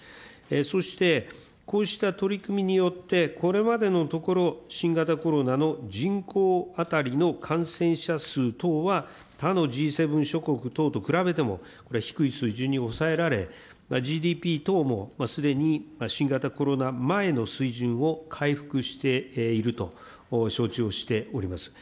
そして、こうした取り組みによってこれまでのところ、新型コロナの人口当たりの感染者数等は、他のＧ７諸国等と比べても、これ、低い水準に抑えられ、ＧＤＰ等もすでに新型コロナ前の水準を回復していると承知をしております。